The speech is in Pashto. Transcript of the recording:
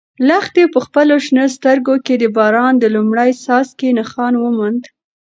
لښتې په خپلو شنه سترګو کې د باران د لومړي څاڅکي نښان وموند.